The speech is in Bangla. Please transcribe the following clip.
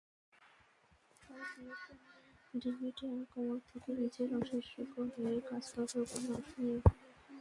ডেভিড ইয়াং কোমর থেকে নিচের অংশের বিশেষজ্ঞ, হয়ের কাজকারবার ওপরের অংশ নিয়ে।